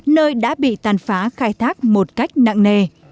nơi đã bị tàn phá khai thác một cách nặng nề